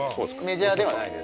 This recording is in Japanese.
メジャーではないです。